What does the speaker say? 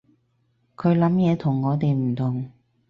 佢諗嘢同我哋唔同